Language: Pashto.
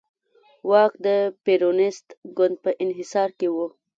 واک د پېرونېست ګوند په انحصار کې و.